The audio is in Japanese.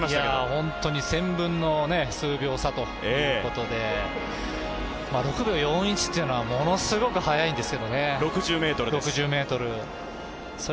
ホントに１０００分の数秒差ということで、６秒４１というのはものすごい早いんです、６０ｍ。